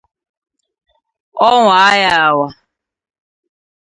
ọ waa ya awaa.